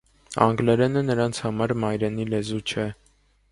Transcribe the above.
Անգլերենը նրանց համար մայրենի լեզու չէ։